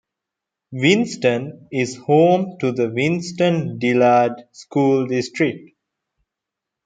Winston is home to the Winston-Dillard School District.